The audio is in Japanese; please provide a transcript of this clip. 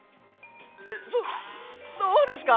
そっそうですか？